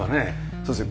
そうですね。